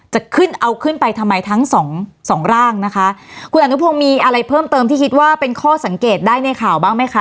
จะขึ้นเอาขึ้นไปทำไมทั้งสองสองร่างนะคะคุณอนุพงศ์มีอะไรเพิ่มเติมที่คิดว่าเป็นข้อสังเกตได้ในข่าวบ้างไหมคะ